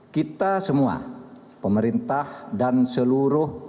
kita semua pemerintah dan seluruh